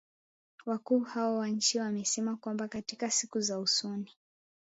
Wakuu hao wa nchi wamesema kwamba katika siku za usoni